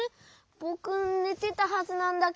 ぼくねてたはずなんだけど。